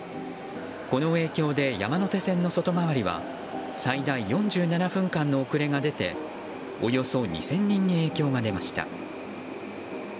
この影響で山手線の外回りは最大４７分間の遅れが出ておよそ２０００人に影響が出ました。